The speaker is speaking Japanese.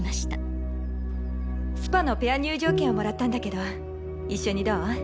スパのペア入場券をもらったんだけど一緒にどう？